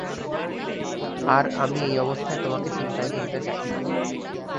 আর আমি এই অবস্থায় তোমাকে চিন্তায় ফেলতে চাইনি।